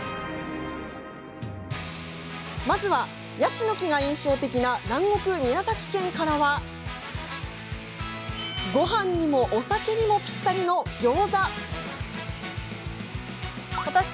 まずはヤシの木が印象的な南国・宮崎県からはごはんにもお酒にもぴったりのギョーザ。